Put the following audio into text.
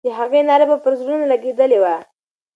د هغې ناره به پر زړونو لګېدلې وه.